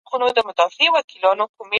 چې څنګه له محدودو امکاناتو سره.